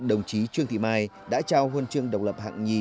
đồng chí trương thị mai đã trao huân chương độc lập hạng nhì